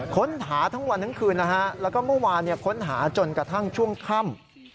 ค้นหาทั้งวันทั้งคืนนะฮะแล้วก็เมื่อวานค้นหาจนกระทั่งช่วงค่ำ